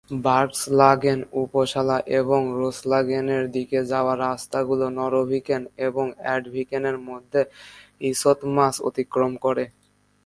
Bergslagen, Uppsala এবং রোসলাগেনের দিকে যাওয়া রাস্তাগুলি নরভিকেন এবং এডভিকেনের মধ্যে ইসথমাস অতিক্রম করে।